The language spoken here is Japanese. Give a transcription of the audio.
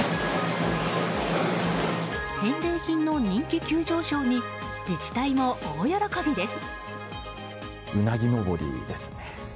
返礼品の人気急上昇に自治体も大喜びです。